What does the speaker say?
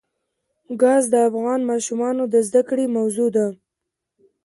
ګاز د افغان ماشومانو د زده کړې موضوع ده.